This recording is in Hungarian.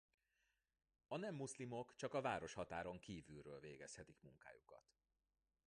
A nem-muszlimok csak a városhatáron kívülről végezhetik munkájukat.